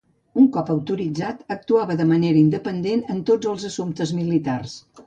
Una vegada autoritzat, actuava de manera independent en tots els assumptes militars.